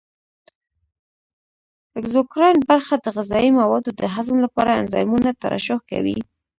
اګزوکراین برخه د غذایي موادو د هضم لپاره انزایمونه ترشح کوي.